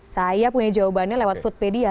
saya punya jawabannya lewat foodpedia